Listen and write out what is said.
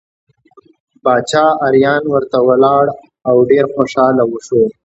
باچا اریان ورته ولاړ او ډېر خوشحاله شو.